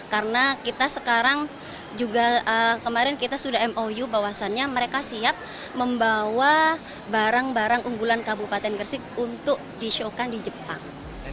karena kita sekarang juga kemarin kita sudah mou bahwasannya mereka siap membawa barang barang unggulan kabupaten gresik untuk disyokan di jepang